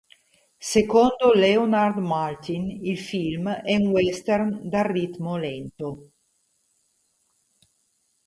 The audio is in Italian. Secondo Leonard Maltin il film è un "western dal ritmo lento".